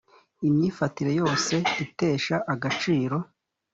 imyifatire yose itesha agaciro.